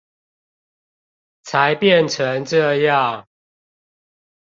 才變成這樣